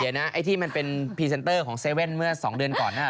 เดี๋ยวนะไอ้ที่มันเป็นปรีเสนเตอร์ของเซเว่นเมื่อสองเดือนก่อนน่ะเหรอ